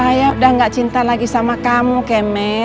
saya sudah tidak cinta lagi sama kamu kemet